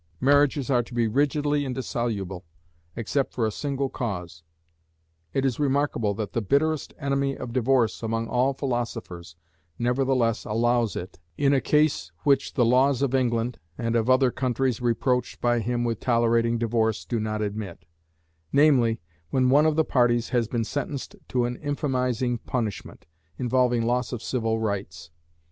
Marriages are to be rigidly indissoluble, except for a single cause. It is remarkable that the bitterest enemy of divorce among all philosophers, nevertheless allows it, in a case which the laws of England, and of other countries reproached by him with tolerating divorce, do not admit: namely, when one of the parties has been sentenced to an infamizing punishment, involving loss of civil rights.